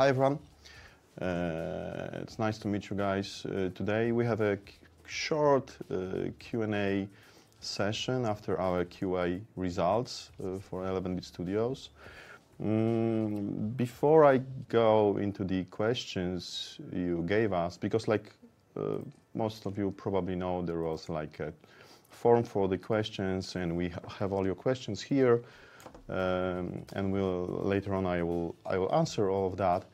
Hi, everyone. It's nice to meet you guys. Today we have a short Q&A session after our QA results for 11 bit studios. Before I go into the questions you gave us, because, like, most of you probably know there was, like, a form for the questions, and we have all your questions here. Later on, I will, I will answer all of that.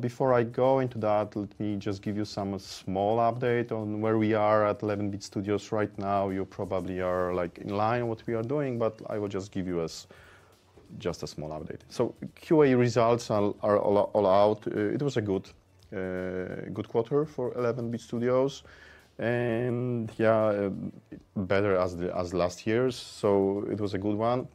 Before I go into that, let me just give you some small update on where we are at 11 bit studios right now. You probably are, like, in line with what we are doing, but I will just give you just a small update. QA results are all out. It was a good quarter for 11 bit studios. Yeah, better as last year's. It was a good one.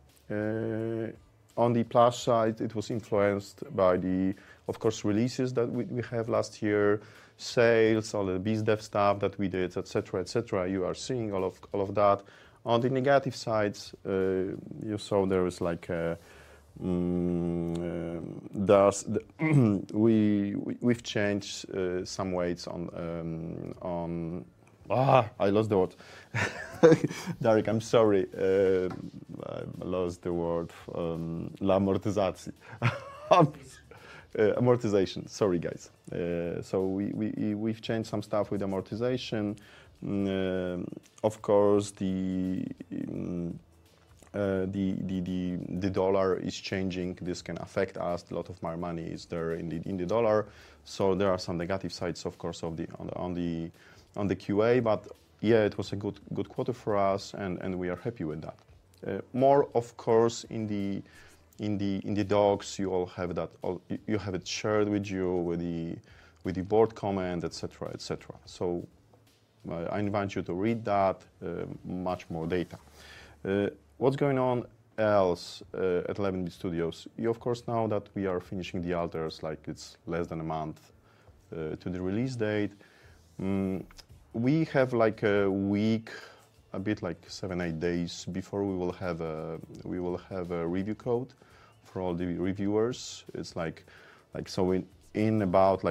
On the plus side, it was influenced by the, of course, releases that we had last year, sales, all the biz dev stuff that we did, etc., etc. You are seeing all of that. On the negative sides, you saw there was, like, we changed some weights on, I lost the word. Darek, I'm sorry. I lost the word, amortization. Sorry, guys. We changed some stuff with amortization. Of course, the dollar is changing. This can affect us. A lot of my money is there in the dollar. There are some negative sides, of course, on the QA. It was a good quarter for us, and we are happy with that. More, of course, in the docs, you all have that, you have it shared with you, with the board comment, etc., etc. I invite you to read that, much more data. What's going on else at 11 bit studios? You, of course, know that we are finishing The Alters. Like, it's less than a month to the release date. We have, like, a week, a bit, like, seven-eight days before we will have a review code for all the reviewers. It's like, in about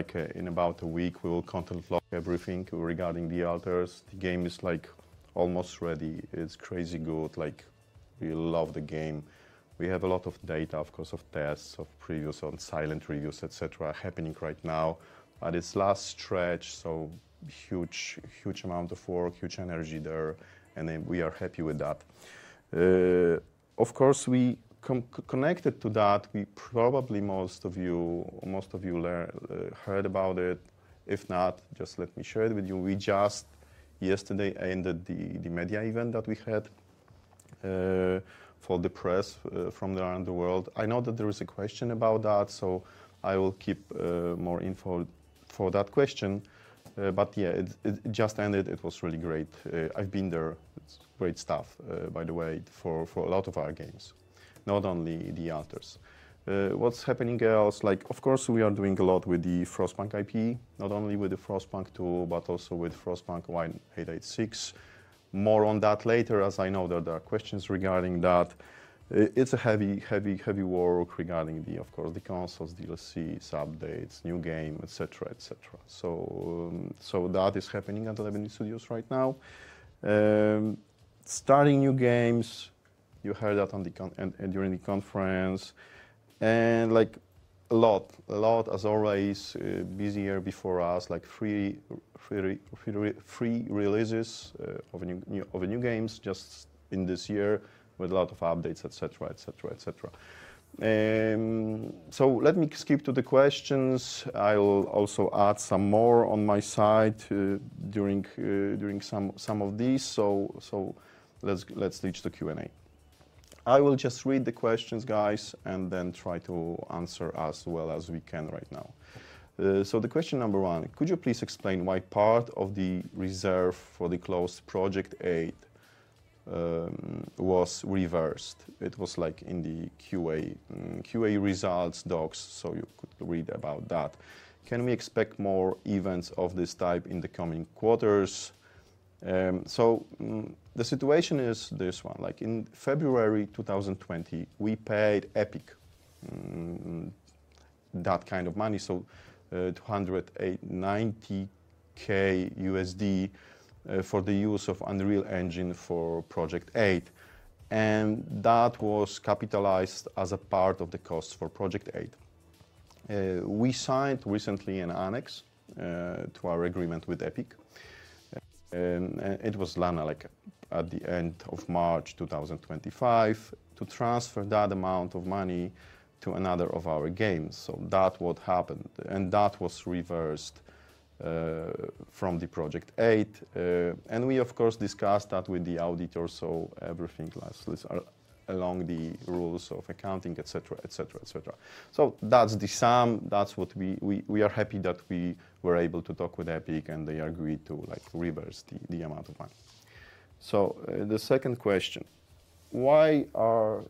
a week, we will content block everything regarding The Alters. The game is, like, almost ready. It's crazy good. Like, we love the game. We have a lot of data, of course, of tests, of previews, of silent reviews, etc., happening right now. It's last stretch, so huge, huge amount of work, huge energy there. We are happy with that. Of course, we are connected to that. We probably, most of you, most of you heard about it. If not, just let me share it with you. We just, yesterday, ended the media event that we had for the press, from the underworld. I know that there is a question about that, so I will keep more info for that question. But yeah, it just ended. It was really great. I've been there. It's great stuff, by the way, for a lot of our games, not only The Alters. What's happening else? Like, of course, we are doing a lot with the Frostpunk IP, not only with Frostpunk 2, but also with Frostpunk 1886. More on that later, as I know that there are questions regarding that. It is a heavy, heavy, heavy work regarding the, of course, the consoles, DLCs, updates, new game, etc., etc. That is happening at 11 bit studios right now. Starting new games. You heard that on the con and during the conference. Like, a lot, a lot, as always, busier before us, like free, free, free releases of new, new, of new games just in this year with a lot of updates, etc., etc., etc. Let me skip to the questions. I will also add some more on my side during some of these. Let's ditch the Q&A. I will just read the questions, guys, and then try to answer as well as we can right now. So the question number one, could you please explain why part of the reserve for the closed Project 8 was reversed? It was, like, in the QA, QA results docs, so you could read about that. Can we expect more events of this type in the coming quarters? The situation is this one. Like, in February 2020, we paid Epic, that kind of money. So, $290,000 for the use of Unreal Engine for Project 8. And that was capitalized as a part of the cost for Project 8. We signed recently an annex to our agreement with Epic. And it was Lana, like, at the end of March 2025, to transfer that amount of money to another of our games. That is what happened. And that was reversed from the Project 8. We, of course, discussed that with the auditor, so everything lasts this along the rules of accounting, etc., etc., etc. That's the sum. That's what we are happy that we were able to talk with Epic, and they agreed to, like, reverse the amount of money. The second question, why are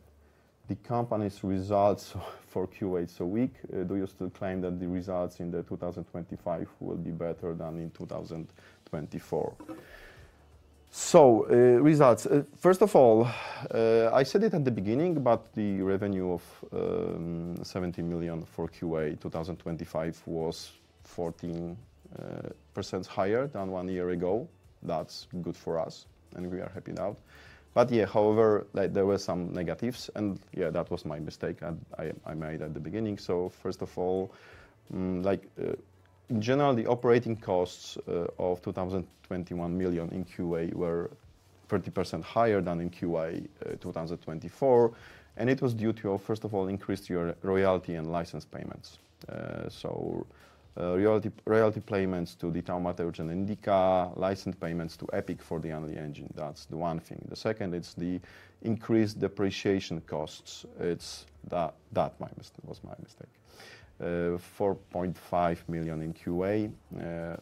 the company's results for QA so weak? Do you still claim that the results in 2025 will be better than in 2024? Results. First of all, I said it at the beginning, but the revenue of $17 million for QA 2025 was 14% higher than one year ago. That's good for us, and we are happy now. However, there were some negatives. That was my mistake I made at the beginning. First of all, like, in general, the operating costs of $221 million in QA were 30% higher than in QA 2024. It was due to, first of all, increased royalty and license payments. So, royalty payments to The Thaumaturge and INDIKA, license payments to Epic for the Unreal Engine. That's the one thing. The second, it's the increased depreciation costs. That was my mistake. $4.5 million in QA,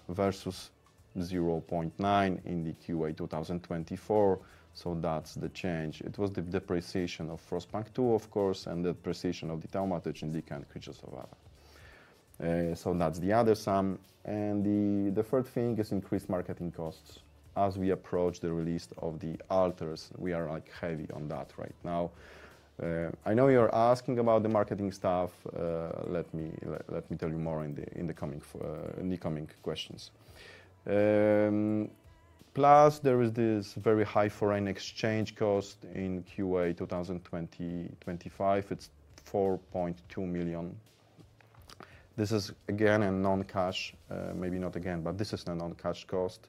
versus $0.9 million in QA 2024. So that's the change. It was the depreciation of Frostpunk 2, of course, and the depreciation of The Thaumaturge and INDIKA and CryptoServer. So that's the other sum. The third thing is increased marketing costs. As we approach the release of The Alters, we are, like, heavy on that right now. I know you're asking about the marketing stuff. Let me, let me tell you more in the, in the coming, in the coming questions. Plus there is this very high foreign exchange cost in QA 2025. It's $4.2 million. This is, again, a non-cash, maybe not again, but this is a non-cash cost.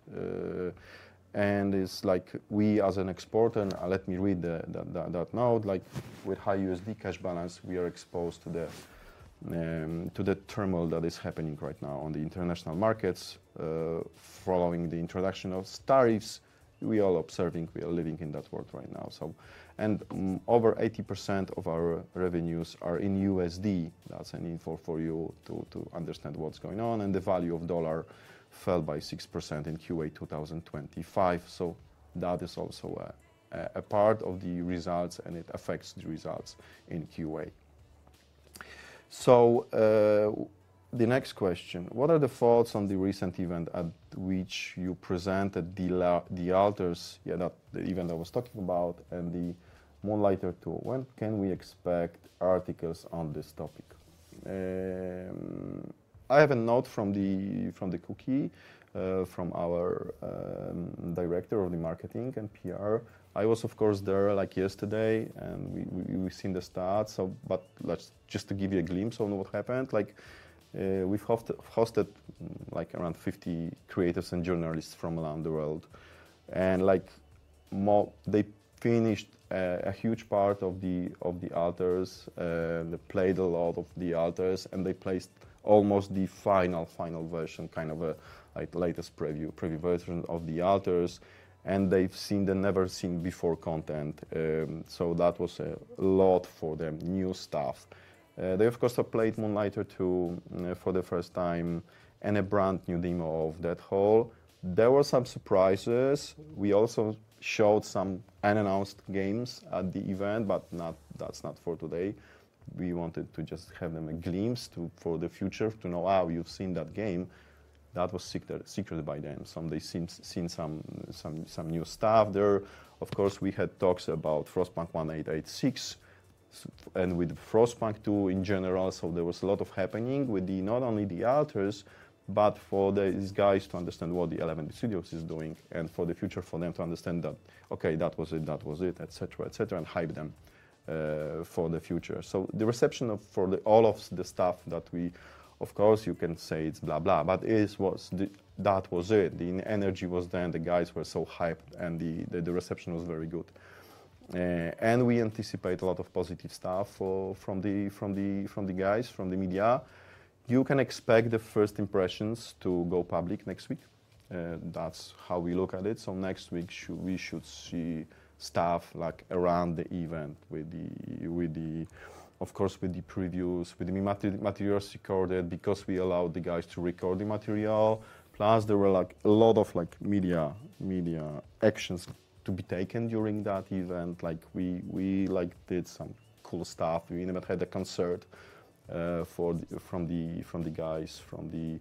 And it's like we, as an exporter, and let me read the, the, that, that note. Like, with high USD cash balance, we are exposed to the, to the turmoil that is happening right now on the international markets, following the introduction of tariffs. We are all observing. We are living in that world right now. So, and over 80% of our revenues are in USD. That's an info for you to, to understand what's going on. And the value of dollar fell by 6% in QA 2025. That is also a part of the results, and it affects the results in QA. The next question, what are the thoughts on the recent event at which you presented the, The Alters, yeah, that the event I was talking about and the Moonlighter 2? When can we expect articles on this topic? I have a note from the, from the cookie, from our Director of Marketing and PR. I was, of course, there, like, yesterday, and we, we've seen the stats. Just to give you a glimpse on what happened, we've hosted, like, around 50 creatives and journalists from around the world. Like, mo they finished a huge part of The Alters, they played a lot of The Alters, and they played almost the final, final version, kind of a latest preview version of The Alters. They have seen the never-seen-before content, so that was a lot for them, new stuff. They, of course, have played Moonlighter 2 for the first time, and a brand new demo of Death Howl. There were some surprises. We also showed some unannounced games at the event, but that's not for today. We wanted to just have them a glimpse for the future, to know, you've seen that game. That was secret, secret by them. They have seen some new stuff there. Of course, we had talks about Frostpunk 1886 and with Frostpunk 2 in general. There was a lot happening with, not only The Alters, but for these guys to understand what 11 bit studios is doing and for the future, for them to understand that, okay, that was it, that was it, etc., etc., and hype them for the future. The reception of, for all of the stuff that we, of course, you can say it's blah, blah, but it was the, that was it. The energy was there, and the guys were so hyped, and the reception was very good. We anticipate a lot of positive stuff from the guys, from the media. You can expect the first impressions to go public next week. That's how we look at it. Next week, we should see stuff around the event with the previews, with the materials recorded, because we allowed the guys to record the material. Plus, there were a lot of media actions to be taken during that event. We did some cool stuff. We even had a concert from the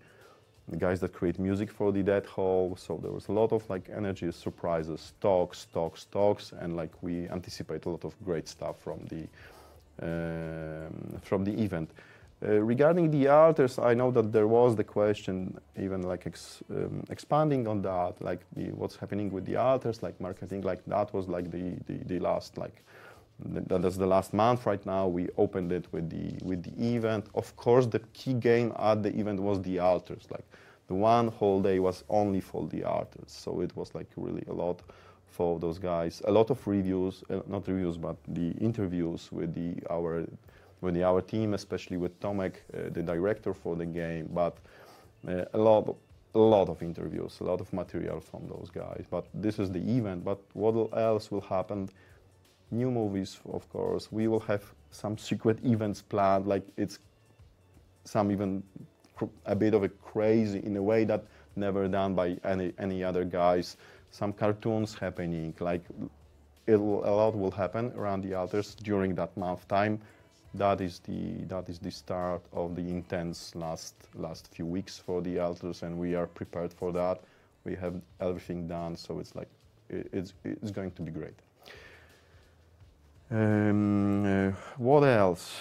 guys that create music for Death Howl. There was a lot of energy, surprises, talks. We anticipate a lot of great stuff from the event. Regarding The Alters, I know that there was the question, even expanding on that, like, what's happening with The Alters marketing. That is the last month right now. We opened it with the event. Of course, the key game at the event was The Alters. Like, the one whole day was only for The Alters. It was, like, really a lot for those guys. A lot of reviews, not reviews, but the interviews with our team, especially with Tomek, the director for the game. A lot, a lot of interviews, a lot of material from those guys. This is the event. What else will happen? New movies, of course. We will have some secret events planned. Like, it's some even a bit of a crazy in a way that never done by any other guys. Some cartoons happening. Like, a lot will happen around The Alters during that month time. That is the start of the intense last few weeks for The Alters. And we are prepared for that. We have everything done. It's going to be great. What else?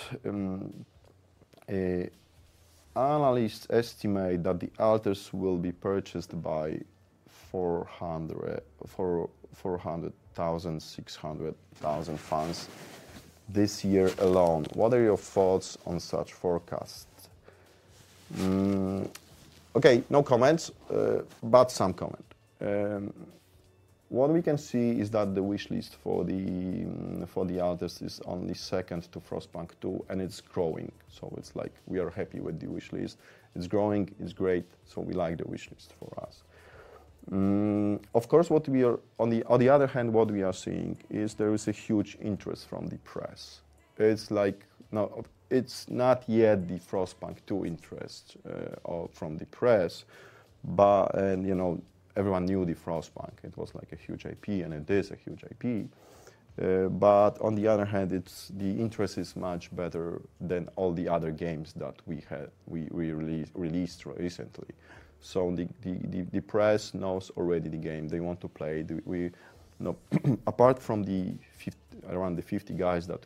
Analysts estimate that The Alters will be purchased by 400,000-600,000 fans this year alone. What are your thoughts on such forecasts? Okay, no comments, but some comment. What we can see is that the wishlist for The Alters is only second to Frostpunk 2, and it's growing. We are happy with the wishlist. It's growing. It's great. We like the wishlist for us. Of course, on the other hand, what we are seeing is there is a huge interest from the press. It's like, no, it's not yet the Frostpunk 2 interest, or from the press, but, you know, everyone knew the Frostpunk. It was like a huge IP, and it is a huge IP. On the other hand, the interest is much better than all the other games that we released recently. The press knows already the game. They want to play. Apart from the 50, around the 50 guys that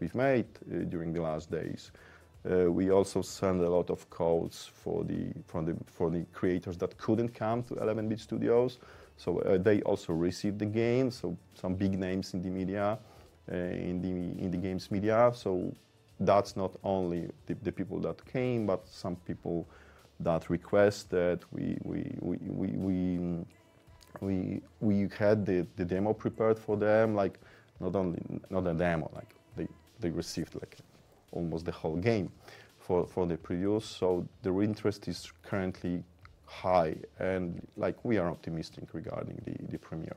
we've made during the last days, we also sent a lot of codes for the creators that couldn't come to 11 bit studios. They also received the game. Some big names in the media, in the games media. That's not only the people that came, but some people that requested, we had the demo prepared for them. Not only, not a demo, they received almost the whole game for the previews. The interest is currently high. We are optimistic regarding the premiere.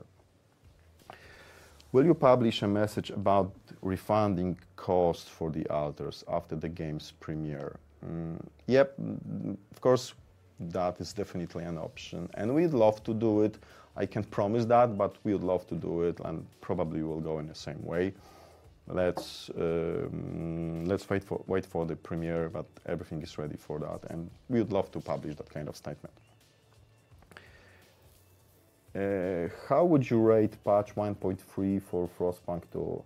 Will you publish a message about refunding costs for The Alters after the game's premiere? Yep, of course, that is definitely an option. We'd love to do it. I can't promise that, but we would love to do it. Probably we'll go in the same way. Let's wait for the premiere, but everything is ready for that. We would love to publish that kind of statement. How would you rate Patch 1.3 for Frostpunk 2?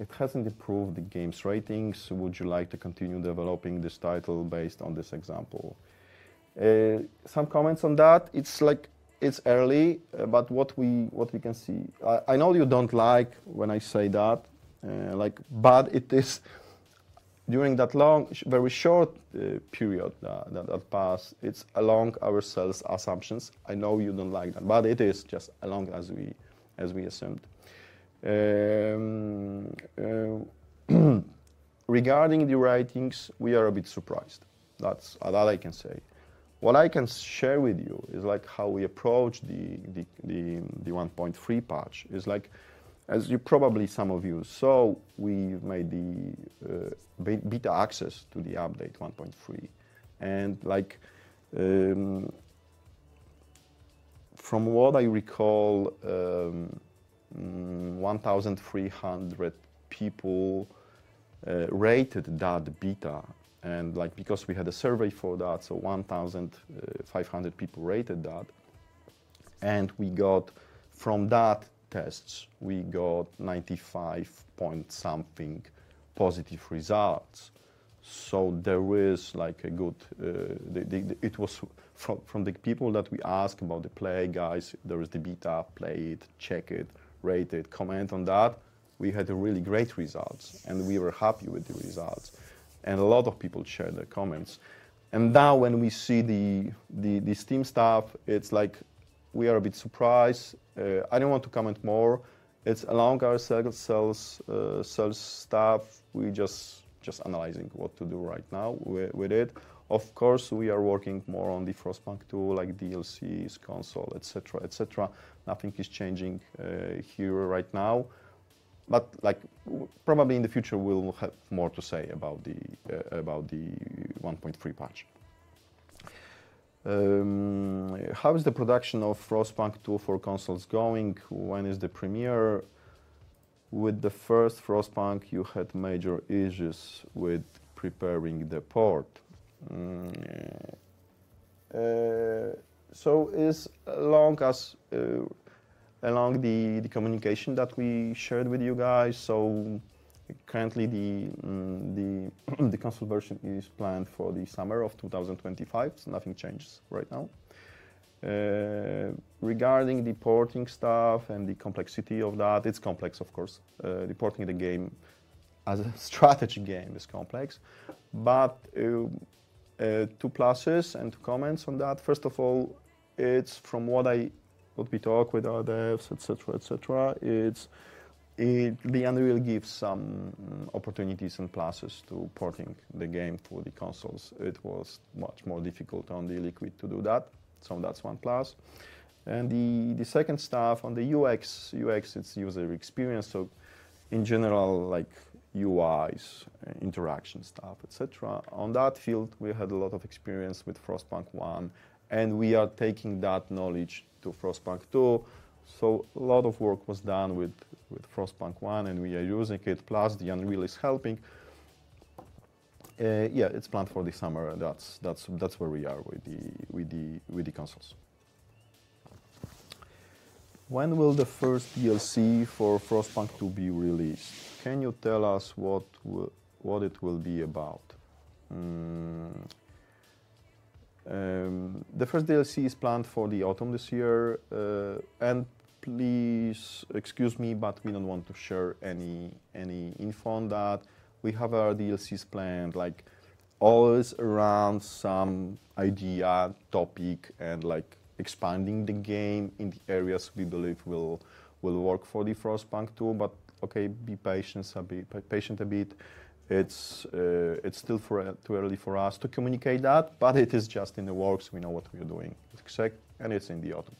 It hasn't improved the game's ratings. Would you like to continue developing this title based on this example? Some comments on that. It's like, it's early, but what we can see, I know you don't like when I say that, but it is during that long, very short period that passed, it's along our sales assumptions. I know you don't like that, but it is just along as we assumed. Regarding the writings, we are a bit surprised. That I can say. What I can share with you is how we approach the 1.3 patch. As you probably, some of you saw, we made the beta access to the update 1.3. From what I recall, 1,300 people rated that beta. Because we had a survey for that, 1,500 people rated that. We got from that test, we got 95 point something positive results. There was a good, it was from the people that we asked about the play, guys, there was the beta, play it, check it, rate it, comment on that. We had really great results, and we were happy with the results. A lot of people shared their comments. Now when we see the Steam stuff, we are a bit surprised. I do not want to comment more. It is along our sales stuff. We are just analyzing what to do right now with it. Of course, we are working more on Frostpunk 2, like DLCs, console, etc., etc. Nothing is changing here right now. Probably in the future, we will have more to say about the 1.3 patch. How is the production of Frostpunk 2 for consoles going? When is the premiere? With the first Frostpunk, you had major issues with preparing the port. It's along the communication that we shared with you guys. Currently, the console version is planned for the summer of 2025. Nothing changes right now. Regarding the porting stuff and the complexity of that, it's complex, of course. Porting the game as a strategy game is complex. Two pluses and two comments on that. First of all, from what we talk with our devs, etc., etc., Unreal gives some opportunities and pluses to porting the game for the consoles. It was much more difficult on the Liquid to do that. That's one plus. The second stuff on the UX, UX, it's user experience. In general, like UIs, interaction stuff, etc. On that field, we had a lot of experience with Frostpunk 1, and we are taking that knowledge to Frostpunk 2. A lot of work was done with Frostpunk 1, and we are using it. Plus, Unreal is helping. Yeah, it's planned for the summer. That's where we are with the consoles. When will the first DLC for Frostpunk 2 be released? Can you tell us what it will be about? The first DLC is planned for the autumn this year. Please excuse me, but we don't want to share any info on that. We have our DLCs planned, like always around some idea, topic, and like expanding the game in the areas we believe will work for Frostpunk 2. Okay, be patient a bit. It's still too early for us to communicate that, but it is just in the works. We know what we are doing. Exactly. And it's in the autumn.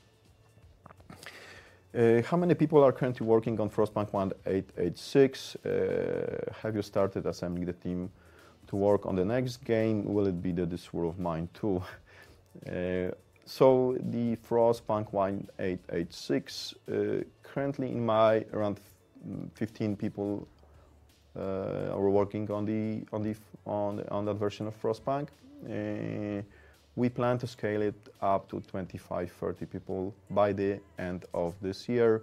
How many people are currently working on Frostpunk 1886? Have you started assembling the team to work on the next game? Will it be This War of Mine 2? So the Frostpunk 1886, currently around 15 people are working on that version of Frostpunk. We plan to scale it up to 25-30 people by the end of this year.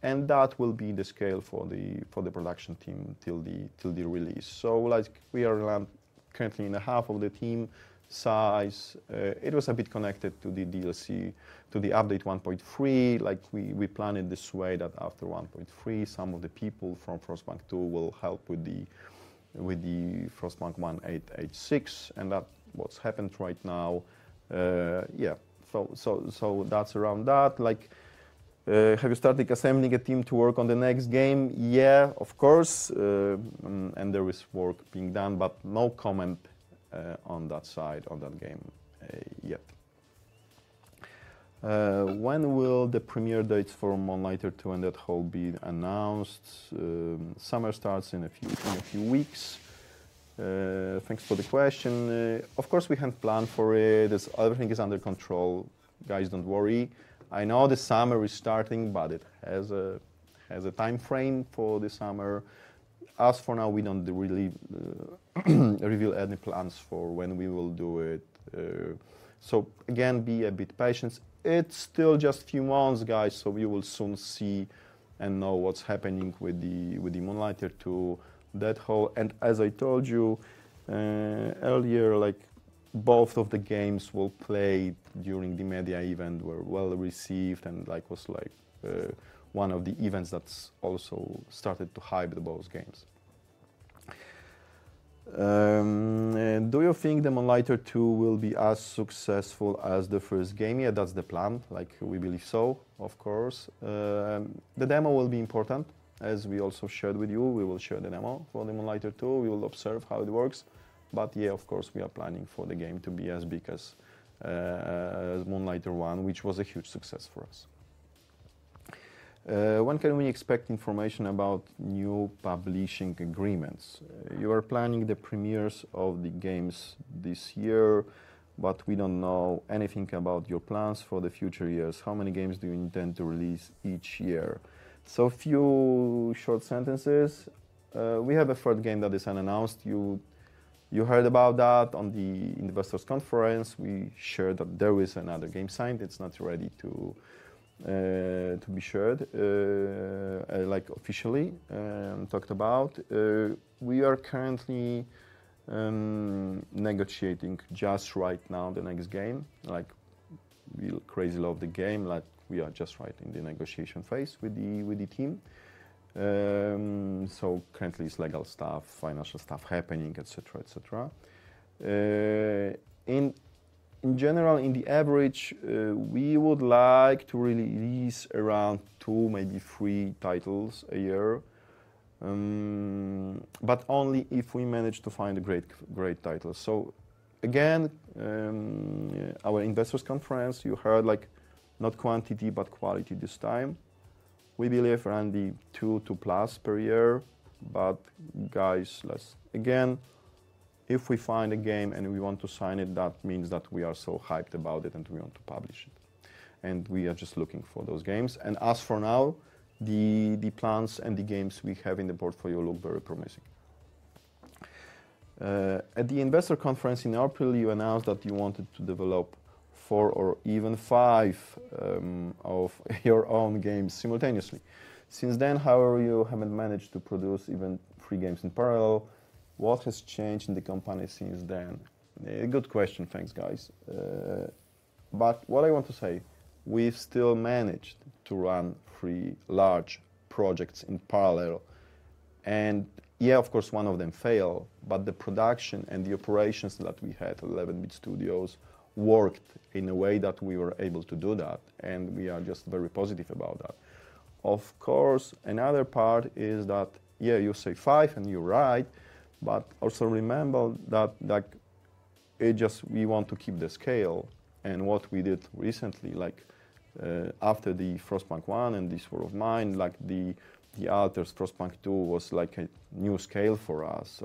That will be the scale for the production team till the release. We are currently at half of the team size. It was a bit connected to the DLC, to the update 1.3. Like, we plan it this way that after 1.3, some of the people from Frostpunk 2 will help with the Frostpunk 1886. And that's what's happened right now. Yeah. So that's around that. Like, have you started assembling a team to work on the next game? Yeah, of course. And there is work being done, but no comment on that side, on that game, yet. When will the premiere dates for Moonlighter 2 and Death Howl be announced? Summer starts in a few weeks. Thanks for the question. Of course, we had planned for it. Everything is under control. Guys, don't worry. I know the summer is starting, but it has a timeframe for the summer. As for now, we don't really reveal any plans for when we will do it. So again, be a bit patient. It's still just a few months, guys. You will soon see and know what's happening with the, with the Moonlighter 2, that hole. As I told you earlier, both of the games we played during the media event were well received and, like, it was one of the events that also started to hype both games. Do you think the Moonlighter 2 will be as successful as the first game? Yeah, that's the plan. We believe so, of course. The demo will be important. As we also shared with you, we will share the demo for the Moonlighter 2. We will observe how it works. Yeah, of course, we are planning for the game to be as big as Moonlighter 1, which was a huge success for us. When can we expect information about new publishing agreements? You are planning the premieres of the games this year, but we do not know anything about your plans for the future years. How many games do you intend to release each year? A few short sentences. We have a third game that is unannounced. You heard about that on the investors conference. We shared that there is another game signed. It is not ready to be shared, like officially, talked about. We are currently negotiating just right now the next game. Like we crazy love the game. Like we are just right in the negotiation phase with the team. Currently it is legal stuff, financial stuff happening, etc., etc. In general, on average, we would like to release around two, maybe three titles a year, but only if we manage to find a great, great title. Again, our investors conference, you heard like not quantity, but quality this time. We believe around two, two plus per year. Guys, if we find a game and we want to sign it, that means that we are so hyped about it and we want to publish it. We are just looking for those games. As for now, the plans and the games we have in the portfolio look very promising. At the investor conference in April, you announced that you wanted to develop four or even five of your own games simultaneously. Since then, however, you have not managed to produce even three games in parallel. What has changed in the company since then? Good question. Thanks, guys. What I want to say, we still managed to run three large projects in parallel. Yeah, of course, one of them failed, but the production and the operations that we had at 11 bit studios worked in a way that we were able to do that. We are just very positive about that. Of course, another part is that, yeah, you say five and you're right, but also remember that, like, it just, we want to keep the scale. What we did recently, like, after the Frostpunk 1 and This War of Mine, like The Alters, Frostpunk 2 was like a new scale for us.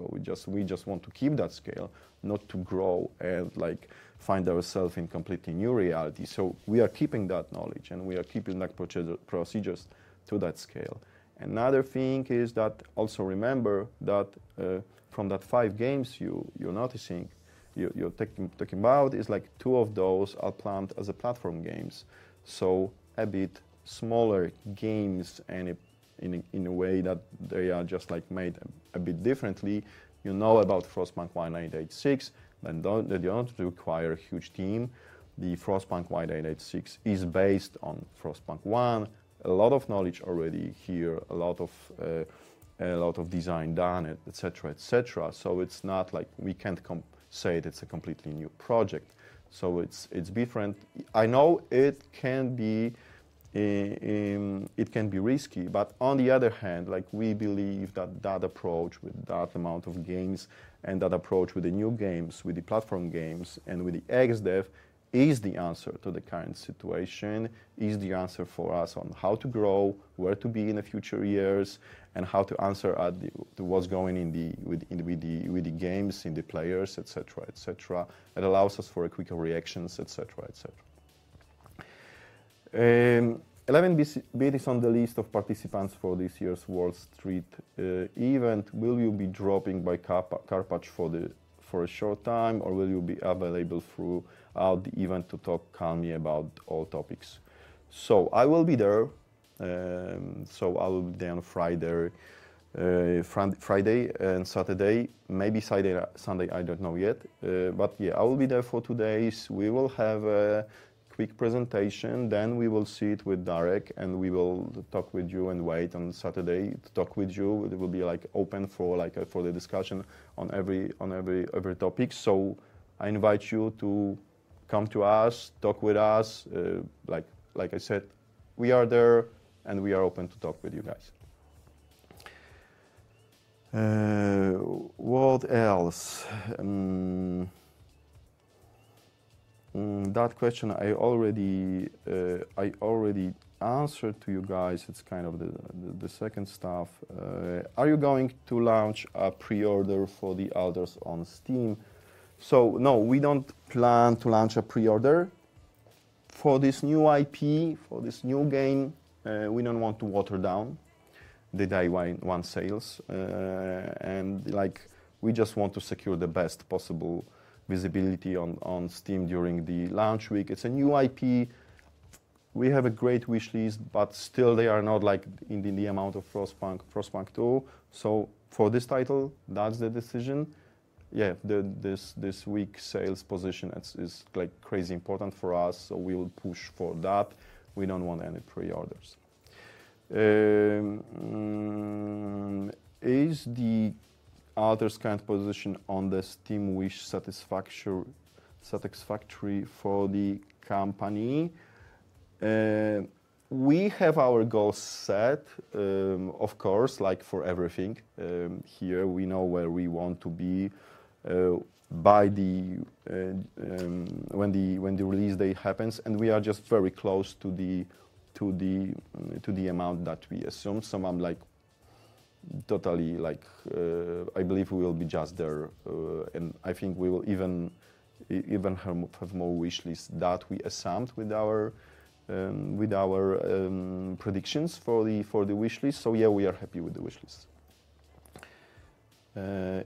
We just want to keep that scale, not to grow and, like, find ourselves in completely new reality. We are keeping that knowledge and we are keeping, like, procedures to that scale. Another thing is that also remember that, from that five games you, you're noticing, you're talking about is like two of those are planned as platform games. So a bit smaller games and in a way that they are just like made a bit differently. You know about Frostpunk 1886, then that doesn't require a huge team. The Frostpunk 1886 is based on Frostpunk 1. A lot of knowledge already here, a lot of, a lot of design done it, etc., etc. So it's not like we can't say that it's a completely new project. It's different. I know it can be risky, but on the other hand, like we believe that that approach with that amount of games and that approach with the new games, with the platform games and with the ex-dev is the answer to the current situation, is the answer for us on how to grow, where to be in the future years and how to answer at the, what's going in the, with, with the, with the games in the players, etc., etc. It allows us for quicker reactions, etc., etc. 11 bit studios is on the list of participants for this year's Wall Street event. Will you be dropping by [car park] for a short time or will you be available throughout the event to talk calmly about all topics? I will be there. I will be there on Friday, Friday and Saturday, maybe Sunday, I don't know yet. I will be there for two days. We will have a quick presentation, then we will see it with Darek and we will talk with you and wait on Saturday to talk with you. It will be open for the discussion on every topic. I invite you to come to us, talk with us. Like I said, we are there and we are open to talk with you guys. What else? That question I already answered to you guys. It's kind of the second stuff. Are you going to launch a pre-order for The Alters on Steam? No, we don't plan to launch a pre-order for this new IP, for this new game. We do not want to water down the Day 1 sales. Like, we just want to secure the best possible visibility on Steam during the launch week. It is a new IP. We have a great wish list, but still they are not like in the amount of Frostpunk, Frostpunk 2. For this title, that is the decision. Yeah, this week's sales position is like crazy important for us. We will push for that. We do not want any pre-orders. Is The Alters kind of position on the Steam wish list satisfactory for the company? We have our goals set, of course, like for everything. Here we know where we want to be by the, when the release date happens. We are just very close to the amount that we assume. I'm like totally like, I believe we will be just there. I think we will even, even have more wish list than we assumed with our, with our predictions for the, for the wish list. Yeah, we are happy with the wish list.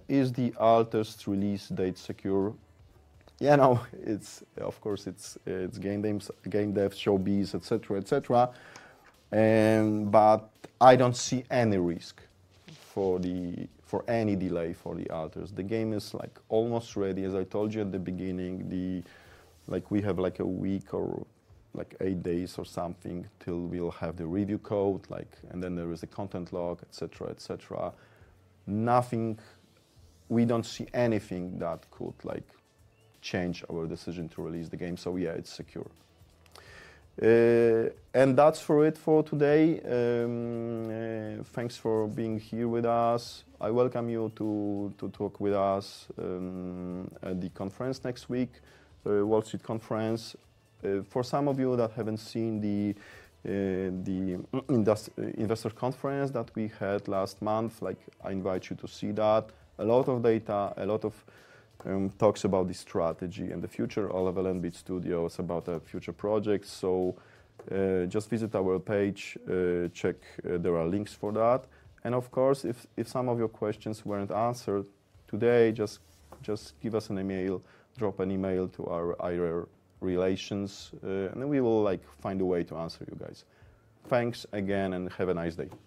Is The Alters release date secure? Yeah, no, it's, of course, it's, it's game names, game dev, showbiz, etc., etc. I don't see any risk for any delay for The Alters. The game is like almost ready, as I told you at the beginning. We have like a week or like eight days or something till we'll have the review code, and then there is a content lock, etc., etc. Nothing, we don't see anything that could like change our decision to release the game. Yeah, it's secure. That's it for today. Thanks for being here with us. I welcome you to talk with us at the conference next week, the Wall Street conference. For some of you that have not seen the investor conference that we had last month, I invite you to see that. A lot of data, a lot of talks about the strategy and the future of 11 bit studios, about our future projects. Just visit our page, check, there are links for that. Of course, if some of your questions were not answered today, just give us an email, drop an email to our either relations, and then we will find a way to answer you guys. Thanks again and have a nice day.